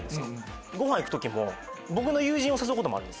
ごはん行く時も僕の友人を誘うこともあるんです。